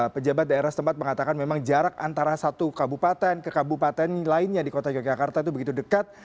pejabat daerah setempat mengatakan memang jarak antara satu kabupaten ke kabupaten lainnya di kota yogyakarta itu begitu dekat